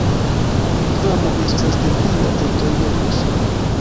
Gvamo estas dependa teritorio de Usono.